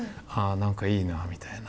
何かいいなみたいな。